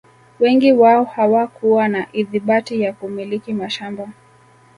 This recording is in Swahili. Wengi wao hawakuwa na ithibati ya kumiliki mashamba